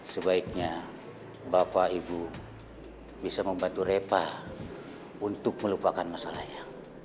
sebaiknya bapak ibu bisa membantu repa untuk melupakan masalahnya